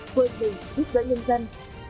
vơi mình giúp đỡ nhân dân